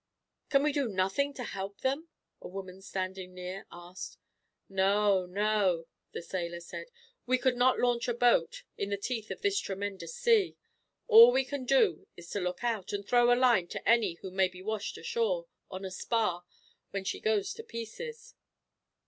"Can we do nothing to help them?" a woman standing near asked. "No, no," the sailor said; "we could not launch a boat, in the teeth of this tremendous sea. All we can do is to look out, and throw a line to any who may be washed ashore, on a spar, when she goes to pieces."